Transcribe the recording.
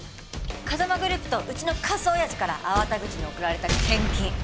風間グループとうちのカス親父から粟田口に送られた献金。